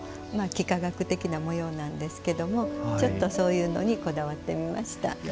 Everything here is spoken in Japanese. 幾何学的な模様なんですけどもそういうのにこだわってみました。